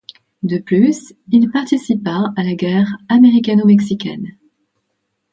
De plus, il participa à la guerre américano-mexicaine.